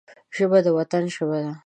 ژبه د وطن ژبه ده